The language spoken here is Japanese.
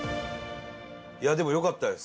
いやあでもよかったです。